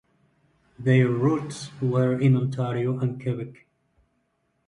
Their roots were in Ontario and Quebec.